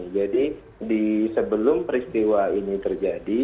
jadi sebelum peristiwa ini terjadi